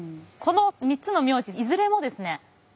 この３つの名字いずれもですね